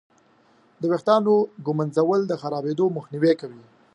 د ویښتانو ږمنځول د خرابېدو مخنیوی کوي.